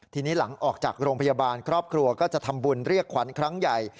ทีนี้หลังออกจากโรงพยาบาลครอบครัวก็จะทำบุญเรียกขวัญครั้งใหญ่